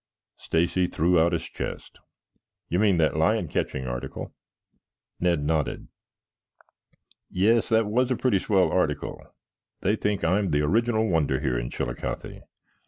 Stacy threw out his chest. "You mean that lion catching article?" Ned nodded. "Yes, that was a pretty swell article. They think I'm the original wonder here in Chillicothe."